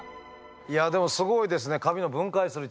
いやでもすごいですね。